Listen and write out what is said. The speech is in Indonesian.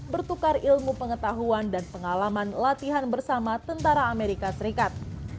bertukar ilmu pengetahuan dan pengalaman latihan bersama tentara amerika serikat